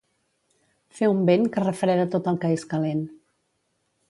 Fer un vent que refreda tot el que és calent.